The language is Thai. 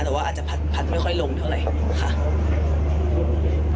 แต่ว่าอาจจะพัดไม่ค่อยลงเท่าไหร่ค่ะ